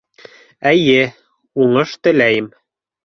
Эйе, уңыш теләйем